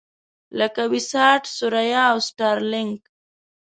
لکه وي-ساټ، ثریا او سټارلېنک.